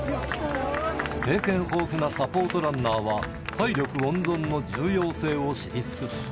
経験豊富なサポートランナーは、体力温存の重要性を知り尽くす。